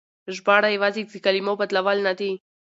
ژباړه يوازې د کلمو بدلول نه دي.